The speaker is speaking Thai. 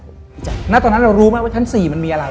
ณตอนนั้นเรารู้ไหมว่าชั้น๔มันมีอะไร